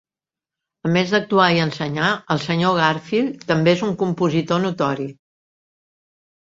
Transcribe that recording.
A més d'actuar i ensenyar, el Sr. Garfield també és un compositor notori.